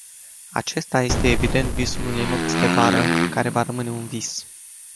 Acesta este evident visul unei nopți de vară care va rămâne un vis.